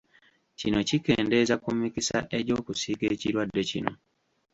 Kino kikendeeza ku mikisa egy’okusiiga ekirwadde kino.